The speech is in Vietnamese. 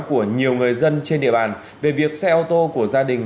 của nhiều người dân trên địa bàn về việc xe ô tô của gia đình